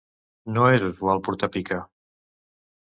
No és usual portar pica.